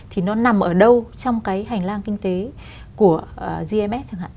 thì nó nằm ở đâu trong cái hành lang kinh tế của gms chẳng hạn